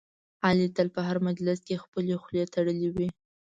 علي تل په هر مجلس کې خپلې خولې خوړلی وي.